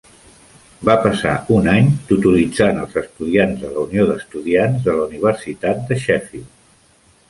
Va passar un any tutoritzant als estudiants de la Unió d'Estudiants de la Universitat de Sheffield.